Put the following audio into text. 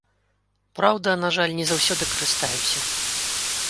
Праўда, на жаль, не заўсёды карыстаюся.